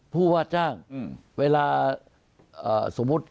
ผู้ว่าจ้างเวลาสมมุติ